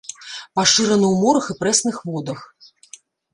Пашыраны ў морах і прэсных водах.